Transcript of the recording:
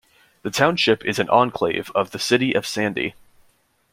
The township is an enclave of the City of Sandy.